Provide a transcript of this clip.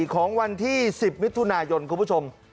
ของวันที่๑๐มิถุนายนคุณผู้ชม